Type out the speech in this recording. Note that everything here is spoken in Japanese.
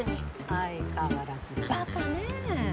相変わらずバカねぇ。